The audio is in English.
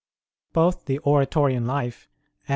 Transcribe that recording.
Both the Oratorian Life and M.